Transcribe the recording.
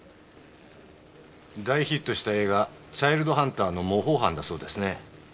大ヒットした映画『チャイルド・ハンター』の模倣犯だそうですね。